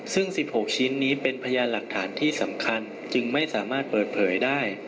ซึ่ง๑๖ชิ้นนี้เป็นพยานหลักฐานที่สำคัญจึงไม่สามารถเปิดเผยได้